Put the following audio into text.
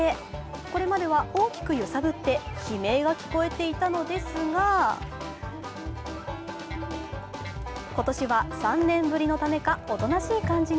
これまでは大きく揺さぶって悲鳴が聞こえていたのですが今年は３年ぶりのためかおとなしい感じに。